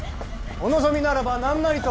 お望みならば何なりと！